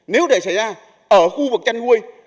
nếu để xảy ra ở khu vực chăn huôi